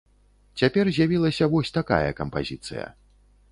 Цяпер з'явілася вось такая кампазіцыя.